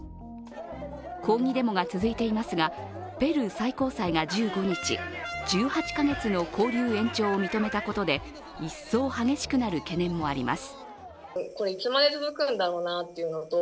抗議デモが続いていますがペルー最高裁が１５日、１８か月の勾留延長を認めたことで一層激しくなる懸念もあります。